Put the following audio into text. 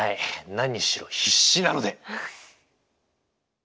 何しろ必死なので！